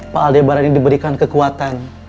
pak aldebaran ini diberikan kekuatan